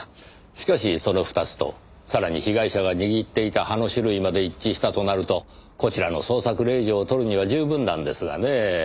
しかしその２つとさらに被害者が握っていた葉の種類まで一致したとなるとこちらの捜索令状を取るには十分なんですがねぇ。